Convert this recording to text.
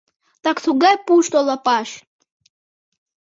Так тугай пушто лапаш!